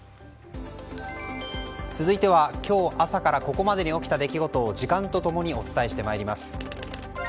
続いては今日朝からここまでに起きた出来事を時間と共にお伝えしてまいります。